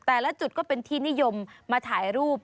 แต่ละจุดก็เป็นที่นิยมมาถ่ายรูป